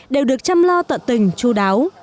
đều được chăm lo tận tình chú đáo